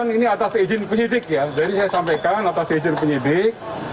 ini atas izin penyidik ya jadi saya sampaikan atas izin penyidik